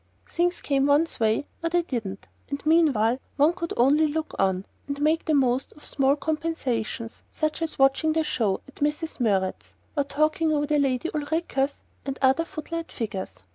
Things came one's way or they didn't; and meanwhile one could only look on, and make the most of small compensations, such as watching "the show" at Mrs. Murrett's, and talking over the Lady Ulricas and other footlight figures.